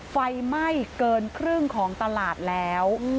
ไฟไหม้เกินครึ่งของตลาดแล้ว